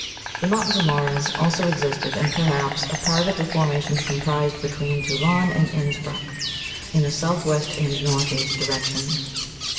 The mountains of Maures also existed, and, perhaps, a part of the formations comprised between Toulon and Inspruck, in a south west and north east direction.